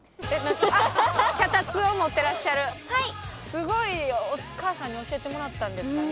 すごいお母さんに教えてもらったんですかね